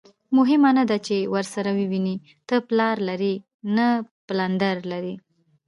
مهمه نه ده چې ورسره ووینې، ته پلار لرې؟ نه، پلندر لرم.